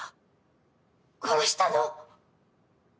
殺したの！？